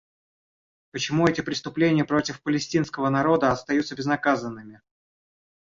Почему эти преступления против палестинского народа остаются безнаказанными?